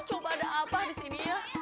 coba ada apa di sini ya